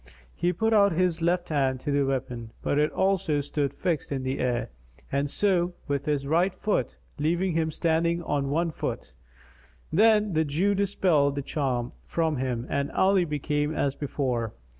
He put out his left hand to the weapon, but it also stood fixed in the air, and so with his right foot, leaving him standing on one foot. Then the Jew dispelled the charm from him and Ali became as before.